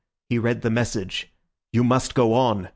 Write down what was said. He read the message, "You must go on.